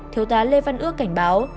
thiếu tá lê văn ước cảnh báo